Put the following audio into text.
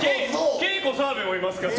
ケイコ・サワベもいますから。